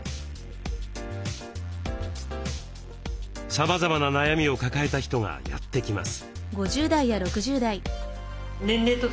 さまざまな悩みを抱えた人がやって来ます。